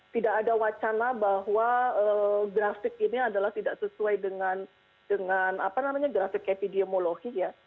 tidak ada wacana bahwa grafik ini adalah tidak sesuai dengan grafik epidemiologi ya